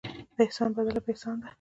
د احسان بدله په احسان ده.